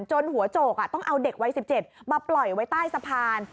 หัวโจกต้องเอาเด็กวัย๑๗มาปล่อยไว้ใต้สะพาน